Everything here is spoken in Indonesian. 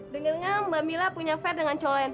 dengar dengar mbak milah punya fat dengan cowok lain